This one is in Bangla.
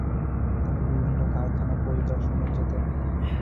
তিনি বিভিন্ন কারখানা পরিদর্শনে যেতেন।